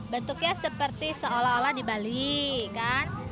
bentuknya seperti seolah olah di bali kan